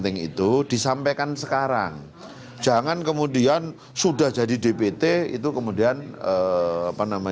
dengan cara merenung penilai kaikki noise control p supported